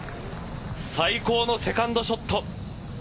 最高のセカンドショット。